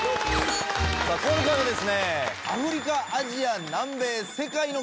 さあ今回はですね。